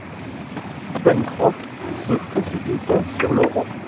Pencroff se précipita vers l’orang